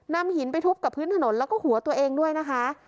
นำหินไปทุบกับพื้นถนนแล้วก็หัวตัวเองด้วยนะคะ